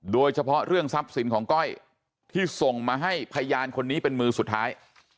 โดยเฉพาะเรื่องทรัพย์สินของก้อยที่ส่งมาให้พยานคนนี้เป็นมือสุดท้าย